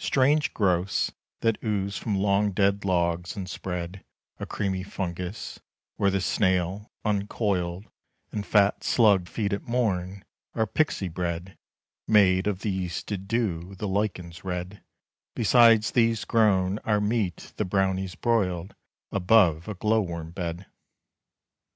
Strange growths, that ooze from long dead logs and spread A creamy fungus, where the snail, uncoiled, And fat slug feed at morn, are Pixy bread Made of the yeasted dew; the lichens red, Besides these grown, are meat the Brownies broiled Above a glow worm bed.